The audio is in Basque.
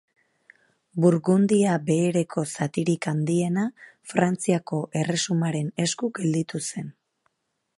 Burgundia Behereko zatirik handiena Frantziako Erresumaren esku gelditu zen.